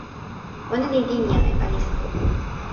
ona li linja e palisa tu.